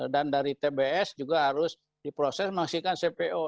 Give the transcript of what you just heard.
dan dari tbs juga harus diproses menghasilkan cpo